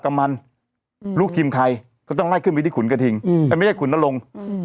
กัมมันลูกทีมใครก็ต้องไล่ขึ้นไปที่ขุนกระดิ่งอืมแต่ไม่ใช่ขุนนั่นลง